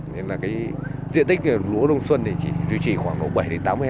nên là cái diện tích của lúa đông xuân thì chỉ duy trì khoảng bảy tám mươi hectare